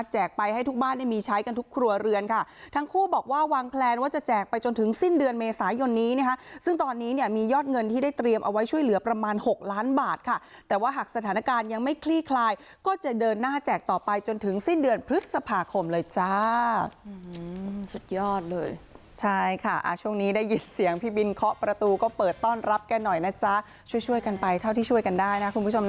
ใช่ค่ะอ่าช่วงนี้ได้ยินเสียงพี่บินเคาะประตูก็เปิดต้อนรับแกหน่อยนะจ๊ะช่วยช่วยกันไปเท่าที่ช่วยกันได้น่ะคุณผู้ชมน่ะ